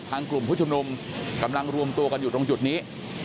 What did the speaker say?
กลุ่มผู้ชุมนุมกำลังรวมตัวกันอยู่ตรงจุดนี้